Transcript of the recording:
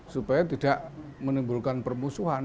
supaya tidak menimbulkan permusuhan